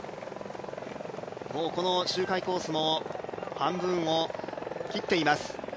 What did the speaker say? この周回コースも半分を切っています。